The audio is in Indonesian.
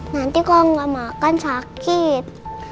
nanti kalau nggak makan sakit